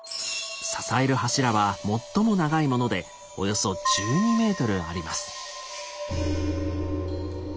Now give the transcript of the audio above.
支える柱は最も長いものでおよそ１２ｍあります。